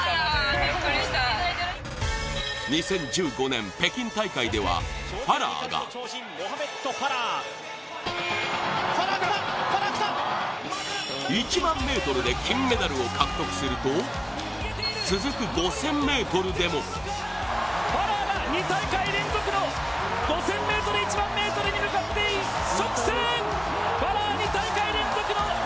２０１５年北京大会ではファラーが１００００ｍで金メダルを獲得すると続く５０００ｍでもファラーが２大会連続の５０００ｍ、１００００ｍに向かって一直線！